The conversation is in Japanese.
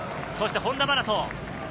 そして本田真斗。